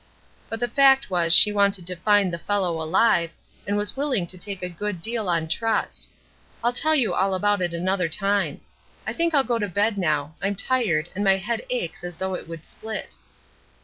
But the fact was she wanted to find the fellow alive, and was willing to take a good deal on trust. I'll tell you all about it another time. I think I'll go to bed now; I'm tired, and my head aches as though it would split."